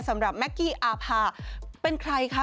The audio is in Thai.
สำหรับแม็กกี้อาภาเป็นใครคะ